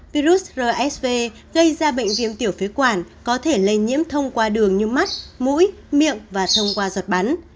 virus rsv gây ra bệnh viêm tiểu phế quản có thể lây nhiễm thông qua đường như mắt mũi miệng và thông qua giọt bắn